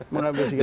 mengambil sikap itu